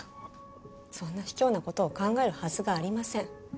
そんな卑怯な事を考えるはずがありません。